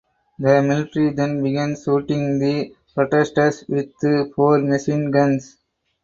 The military then began shooting the protestors with four machine guns.